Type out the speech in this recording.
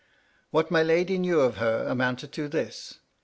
What my lady knew of her amounted to this.